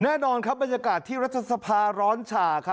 แน่นอนครับบรรยากาศที่รัฐสภาร้อนฉ่า